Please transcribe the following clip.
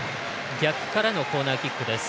逆からのコーナーキックです。